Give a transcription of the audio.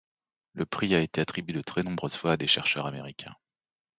Le prix a été attribué de très nombreuses fois à des chercheurs américains.